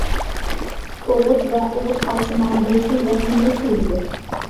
ئوغۇت ۋە ئوغۇت خالتىسى ماڭا بىر خىل ۋەھىمىلىك تۇيۇلىدۇ.